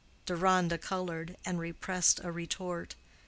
Deronda colored, and repressed a retort.